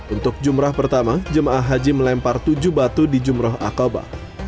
untuk jumrah pertama jemaah haji melempar tujuh batu di jumroh akaba